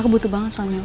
aku butuh banget soalnya